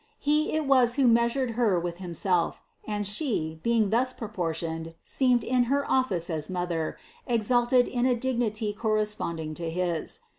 He it was who measured Her with Himself, and She, being thus proportioned, seemed in her office as Mother, exalted to a dignity corresponding to his.